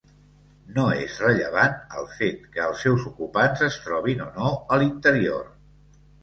No és rellevant el fet que els seus ocupants es trobin o no a l'interior.